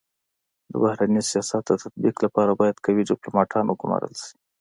د بهرني سیاست د تطبیق لپاره بايد قوي ډيپلوماتان و ګمارل سي.